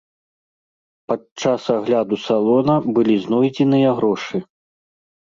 Падчас агляду салона былі знойдзеныя грошы.